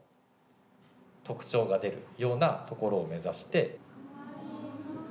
特徴が出るようなところを目指して。